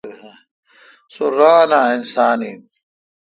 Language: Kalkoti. سو ران اؘ اسان این۔